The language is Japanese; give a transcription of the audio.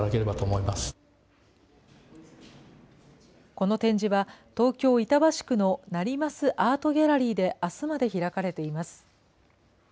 この展示は、東京・板橋区の成増アートギャラリーであすまで開かれています。